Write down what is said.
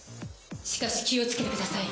しかし気を付けてください。